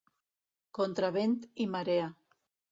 Contra vent i marea.